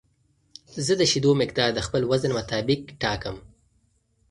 زه د شیدو مقدار د خپل وزن مطابق ټاکم.